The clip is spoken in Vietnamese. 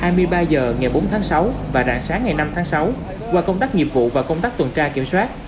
hai mươi ba h ngày bốn tháng sáu và rạng sáng ngày năm tháng sáu qua công tác nghiệp vụ và công tác tuần tra kiểm soát